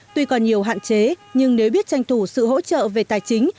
tuy còn nhiều hạn chế nhưng nếu biết tranh thủ sự hỗ trợ về tài chính